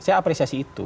saya apresiasi itu